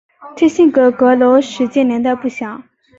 天心阁阁楼始建年代不详。